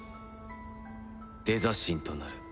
デザ神となる。